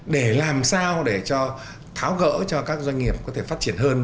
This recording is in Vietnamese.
để làm sao để cho tháo gỡ cho các doanh nghiệp có thể phát triển hơn